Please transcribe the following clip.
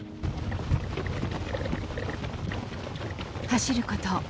走ること。